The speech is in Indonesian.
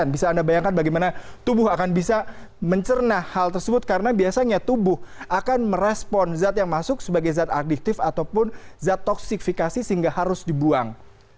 bisa anda bayangkan bagaimana tubuh akan bisa mencerna hal tersebut karena biasanya tubuh akan merespon zat yang masuk sebagai zat adiktif ataupun zat toksikifikasi sehingga harus dibuang